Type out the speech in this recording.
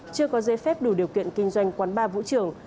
chưa có giấy phép đủ điều kiện kinh doanh quán bar vũ trường